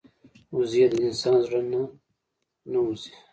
وزې د انسان د زړه نه نه وځي